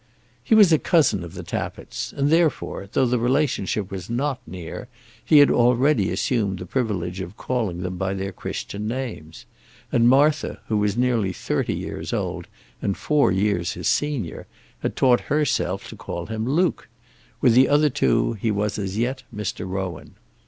He was a cousin of the Tappitts, and therefore, though the relationship was not near, he had already assumed the privilege of calling them by their Christian names; and Martha, who was nearly thirty years old, and four years his senior, had taught herself to call him Luke; with the other two he was as yet Mr. Rowan.